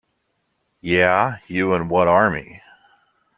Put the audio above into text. Yeah, you and what army?